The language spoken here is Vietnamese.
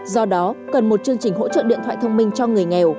do đó cần một chương trình hỗ trợ điện thoại thông minh cho người nghèo